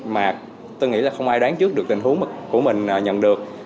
mà tôi nghĩ là không ai đoán trước được tình huống của mình nhận được